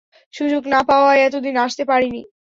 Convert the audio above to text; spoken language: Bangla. সুযোগ না পাওয়ায় এতদিন আসতে পারেনি।